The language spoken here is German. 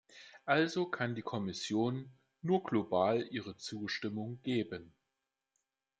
Also kann die Kommission nur global ihre Zustimmung geben.